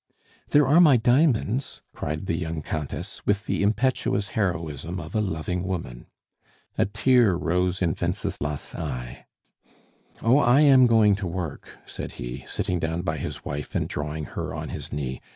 "There are my diamonds," cried the young Countess, with the impetuous heroism of a loving woman. A tear rose in Wenceslas' eye. "Oh, I am going to work," said he, sitting down by his wife and drawing her on to his knee.